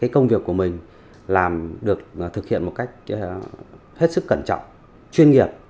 công việc của mình được thực hiện một cách hết sức cẩn trọng chuyên nghiệp